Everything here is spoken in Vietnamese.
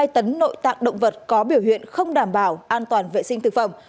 hai tấn nội tạng động vật có biểu hiện không đảm bảo an toàn vệ sinh thực phẩm